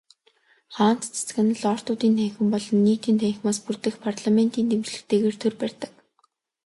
Хаант засаг нь Лордуудын танхим болон Нийтийн танхимаас бүрдэх парламентын дэмжлэгтэйгээр төр барьдаг.